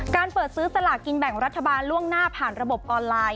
เปิดซื้อสลากกินแบ่งรัฐบาลล่วงหน้าผ่านระบบออนไลน์